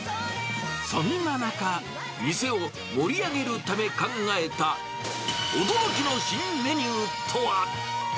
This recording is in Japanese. そんな中、店を盛り上げるため、考えた、驚きの新メニューとは。